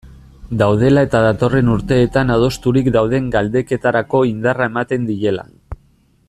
Daudela eta datorren urteetan adosturik dauden galdeketetarako indarra ematen diela.